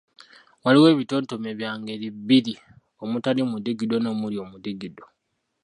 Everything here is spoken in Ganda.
Waliwo ebitontome bya ngeri bbiri, omutali mudigido n'omuli omudigo.